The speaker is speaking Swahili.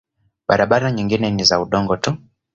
Barabara nyingine ni za udongo tu.